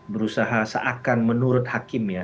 berusaha seakan menurut hakim ya